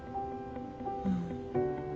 うん。